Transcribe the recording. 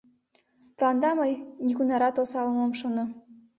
Тыланда мый нигунарат осалым ом шоно.